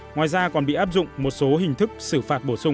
ngoài ra còn bị áp dụng một số hình thức xử phạt bổ sung